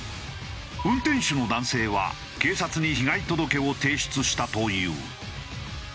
運転手の男性は警察に被害届を提出したという。